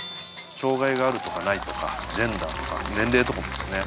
障害があるとかないとかジェンダーとか年齢とかもですね